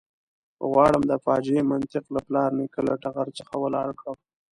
غواړم د فاجعې منطق له پلار نیکه له ټغر څخه ولاړ کړم.